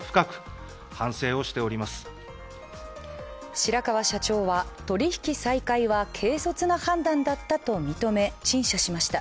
白川社長は取引再開は軽率な判断だったと認め、陳謝しました。